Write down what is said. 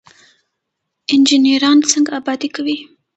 انجنیران څنګه ابادي کوي؟